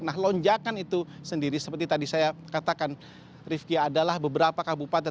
nah lonjakan itu sendiri seperti tadi saya katakan rifki adalah beberapa kabupaten